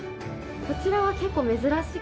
こちらは結構珍しい。